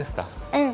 うん。